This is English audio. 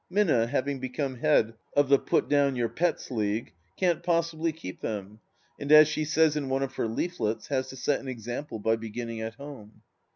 Minna having become head of the ''PtU Down Your Pets " League, can't possibly keep them; and as she says in one of her leaflets, has to set an example by beginning at home.